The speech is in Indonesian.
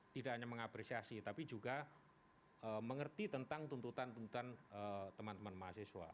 tidak hanya mengapresiasi tapi juga mengerti tentang tuntutan tuntutan teman teman mahasiswa